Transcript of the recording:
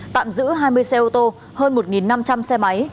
tạm giữ hai mươi xe ô tô hơn một năm trăm linh xe máy